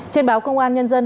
trên báo công an nhân dân